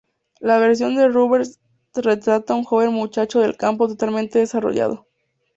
La versión de Rubens retrata un joven muchacho del campo totalmente desarrollado.